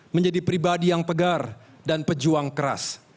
menjadi pribadi yang pegar dan pejuang keras